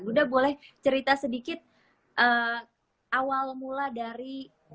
bunda boleh cerita sedikit awal mula dari